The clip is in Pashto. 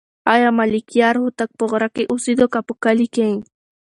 آیا ملکیار هوتک په غره کې اوسېده که په کلي کې؟